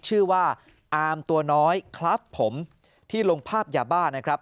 ชื่อว่าอามตัวน้อยคลับผมที่ลงภาพยาบ้านะครับ